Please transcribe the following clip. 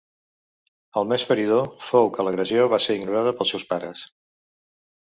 El més feridor fou que l'agressió va ser ignorada pels seus pares.